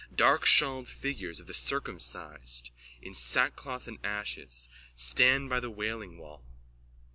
Darkshawled figures of the circumcised, in sackcloth and ashes, stand by the wailing wall.